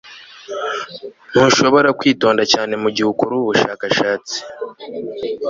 Ntushobora kwitonda cyane mugihe ukora ubu bushakashatsi